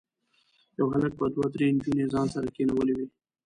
یو هلک به دوه درې نجونې ځان سره کېنولي وي.